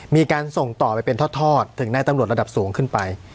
มีการส่งต่อไปเป็นทอดถึงในตำรวจระดับสูงขึ้นไป